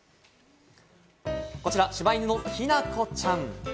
こちら柴犬のきなこちゃん。